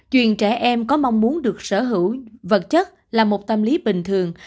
chuyện trẻ em có mong muốn được sở hữu vật chất là một tâm lý bình thường